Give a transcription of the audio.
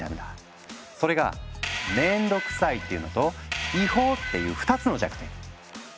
それが「面倒くさい」っていうのと「違法」っていう２つの弱点。